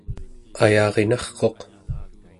ayarinarquq